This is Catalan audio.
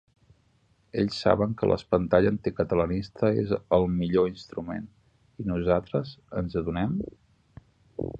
'Ells' saben que l'espantall anticatalanista és el 'millor' instrument. I nosaltres, ens adonem?